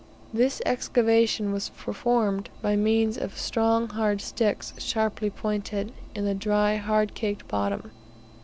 This excavation was performed (by means of strong hard sticks sharply pointed) in the dry hard caked bottom.